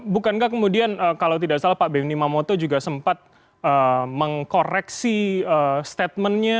bukankah kemudian kalau tidak salah pak bni mamoto juga sempat mengkoreksi statementnya